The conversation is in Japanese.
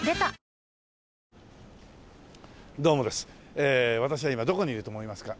えー私は今どこにいると思いますか？